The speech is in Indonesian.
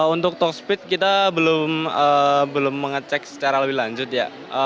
untuk toxpeed kita belum mengecek secara lebih lanjut ya